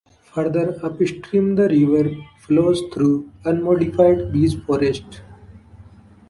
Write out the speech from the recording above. Further upstream the river flows through unmodified beech forest.